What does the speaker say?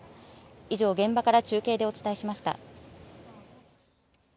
以上、現場から中継でお伝えしました。